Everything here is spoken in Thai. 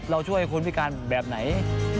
เราช่วยคนพิการแบบไหน